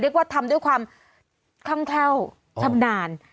เรียกว่าทำด้วยความคล่องแคล่วชำนาญ